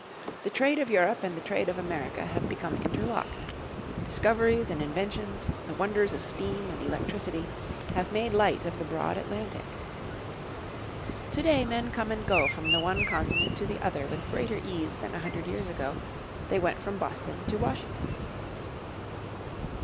The trade of Europe and the trade of America have become interlocked, discoveries and inventions, the wonders of steam and electricity, have made light of the broad Atlantic. Today men come and go from the one continent to the other with greater ease than a hundred years ago they went from Boston to Washington.